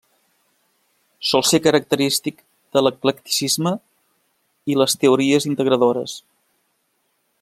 Sol ser característic de l'eclecticisme i les teories integradores.